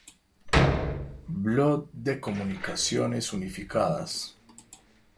Blog de Comunicaciones Unificadas